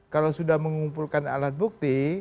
kalau sudah mengumpulkan alat bukti